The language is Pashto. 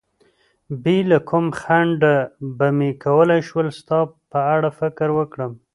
بې له کوم خنډه به مې کولای شول ستا په اړه فکر وکړم.